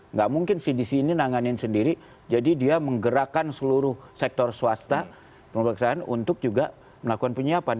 nggak mungkin cdc ini nanganin sendiri jadi dia menggerakkan seluruh sektor swasta pemeriksaan untuk juga melakukan penyiapan